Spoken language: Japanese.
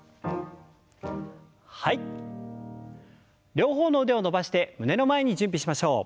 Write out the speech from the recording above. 両方の腕を伸ばして胸の前に準備しましょう。